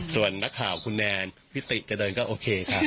ส่วนนักข่าวคุณแนนวิธีจะเดินก็โอเคค่ะ